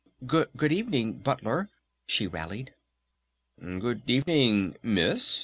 "G Good evening, Butler!" she rallied. "Good evening, Miss!"